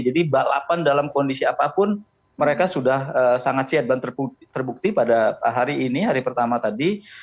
jadi balapan dalam kondisi apapun mereka sudah sangat siap dan terbukti pada hari ini hari pertama tadi